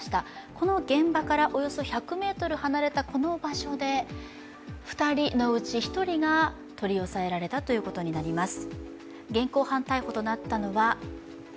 この現場からおよそ１００ｍ離れたこの場所で２人のうち１人が取り押さえられたということになります。